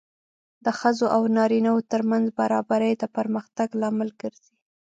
د ښځو او نارینه وو ترمنځ برابري د پرمختګ لامل ګرځي.